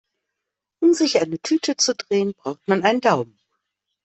Um sich eine Tüte zu drehen, braucht man einen Daumen.